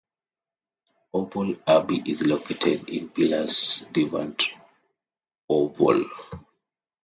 Orval Abbey is located in Villers-devant-Orval.